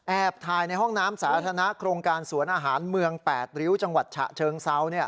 ถ่ายในห้องน้ำสาธารณะโครงการสวนอาหารเมือง๘ริ้วจังหวัดฉะเชิงเซา